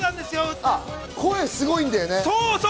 声すごいんだよね。